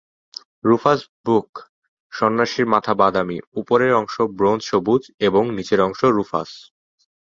রুফাস-বুক সন্ন্যাসীর মাথা বাদামি, উপরের অংশ ব্রোঞ্জ সবুজ এবং নিচের অংশ রুফাস।